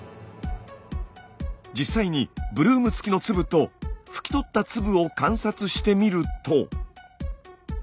実際にブルーム付きの粒と拭き取った粒を観察してみると。